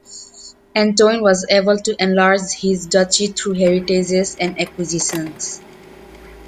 Antoine was able to enlarge his duchy through heritages and acquisitions.